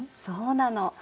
そうなの。